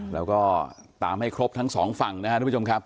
แล้วก็ตามให้ครบทั้งสองฝั่งนะครับทุกผู้ชมครับ